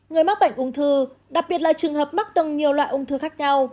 người mắc bệnh ung thư đặc biệt là trường hợp mắc từng nhiều loại ung thư khác nhau